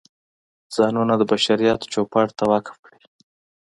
ځانونه د بشریت چوپړ ته وقف کړي.